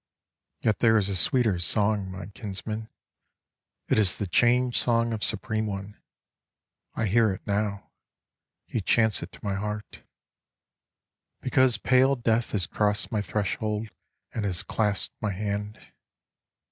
Yet there is a sweeter song, my kinsmen; It is the Change Song of Supreme One.I hear it now, He chants it to my heart; Because pale death has crossed my threshold, and has clasped my hand.